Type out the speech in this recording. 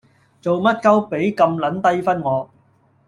做乜鳩畀咁撚低分我